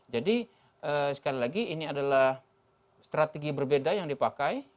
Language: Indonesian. jadi sekali lagi ini adalah strategi berbeda yang dipakai